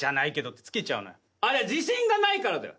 あれは自信がないからだよ。